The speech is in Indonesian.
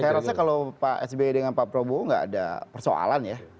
saya rasa kalau pak sby dengan pak prabowo nggak ada persoalan ya